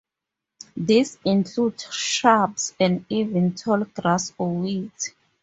This includes shrubs and even tall grass or weeds.